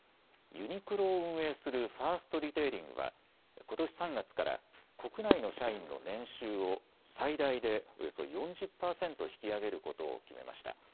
ユニクロを運営するファーストリテイリングはことし３月から国内の社員の年収を最大でおよそ４０％引き上げることを決めました。